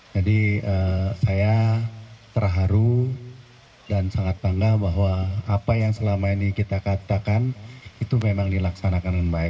jadi saya terharu dan sangat bangga bahwa apa yang selama ini kita katakan itu memang dilaksanakan dengan baik